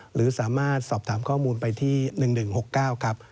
หรือสามารถสอบถามข้อมูลไปที่๑๑๖๙ครับ